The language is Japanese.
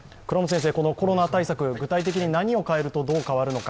コロナ対策、具体的に何を変えるとどう変わるのか。